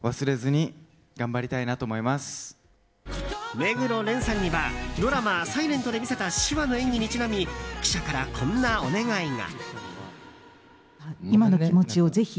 目黒蓮さんにはドラマ「ｓｉｌｅｎｔ」で見せた手話の演技にちなみ記者からこんなお願いが。